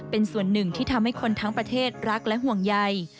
เป็นส่วนหนึ่งที่ทำให้คนทั้งประเทศรักและห่วงใย